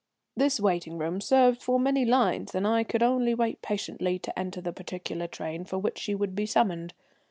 This waiting room served for many lines, and I could only wait patiently to enter the particular train for which she would be summoned.